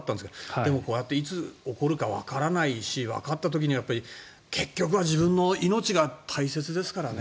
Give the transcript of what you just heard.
でも、こうやっていつ起こるかわからないし起こった時には結局は自分の命が大切ですからね。